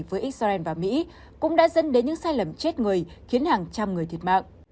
với israel và mỹ cũng đã dẫn đến những sai lầm chết người khiến hàng trăm người thiệt mạng